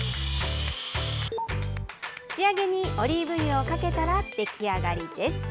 仕上げにオリーブ油をかけたら出来上がりです。